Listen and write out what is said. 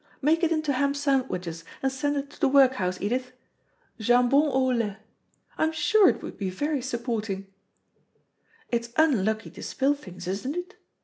Make it into ham sandwiches and send it to the workhouse, Edith. Jambon au lait. I'm sure it would be very supporting." "It's unlucky to spill things, isn't it?"